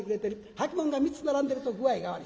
履物が３つ並んでると具合が悪い。